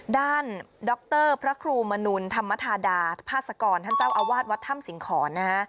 ด้านดรพระครูมนุนธรรมธาดาภาษกรท่านเจ้าอวาดวัดถ้ำสิงขรนะ